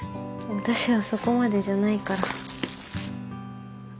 私はそこまでじゃないから。